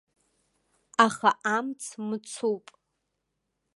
Аха амц мцуп.